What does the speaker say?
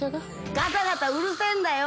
ガタガタうるせぇんだよ！